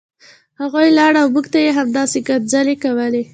هغوی لاړل او موږ ته یې همداسې کنځلې کولې